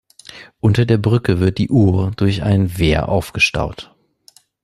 Unter der Brücke wird die Our durch ein Wehr aufgestaut.